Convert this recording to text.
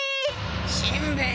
しんべヱ！